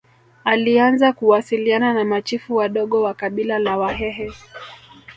Alianza kuwasiliana na machifu wadogo wa kabila la Wahehe